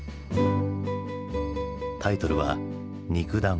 タイトルは「肉弾」。